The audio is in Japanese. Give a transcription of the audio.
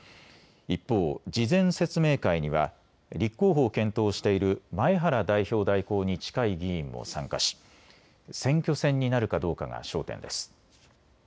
一方、事前説明会には立候補を検討している前原代表代行に近い議員も参加し選挙戦になるかどうかが焦点です。